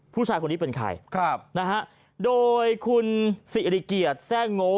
ผู้ชายคนนี้เป็นใครครับนะฮะโดยคุณสิริเกียรติแทร่งโง่